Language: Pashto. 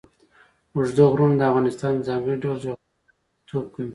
اوږده غرونه د افغانستان د ځانګړي ډول جغرافیه استازیتوب کوي.